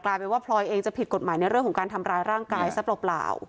ไปว่าพลอยเองจะผิดกฎหมายในเรื่องของการทำร้ายร่างกายซะเปล่า